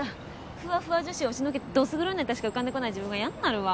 フワフワ女子を押しのけてドス黒いネタしか浮かんでこない自分が嫌になるわ。